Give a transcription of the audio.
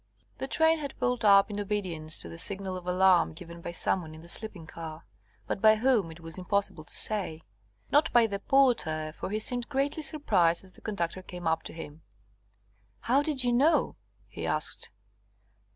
The train had pulled up in obedience to the signal of alarm given by some one in the sleeping car, but by whom it was impossible to say. Not by the porter, for he seemed greatly surprised as the conductor came up to him. "How did you know?" he asked.